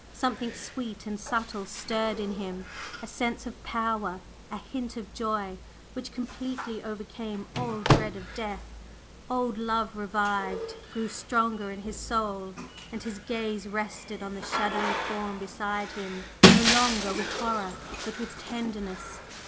Something sweet and subtle stirred in him, a sense of power, a hint of joy, which completely overcame all dread of death. Old love revived, grew stronger in his soul, and his gaze rested on the shadowy form beside him, no longer with horror but with tenderness.